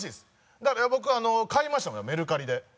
だから僕買いましたもんメルカリで。